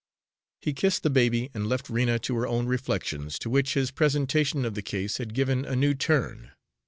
He kissed the baby and left Rena to her own reflections, to which his presentation of the case had given a new turn.